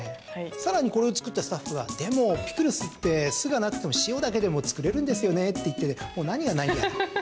更に、これを作ったスタッフはでもピクルスって酢がなくても、塩だけで作れるんですよねって言っててもう何が何やら。